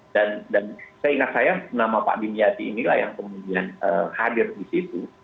dan saya ingat saya nama pak dimiati ini lah yang kemudian hadir di situ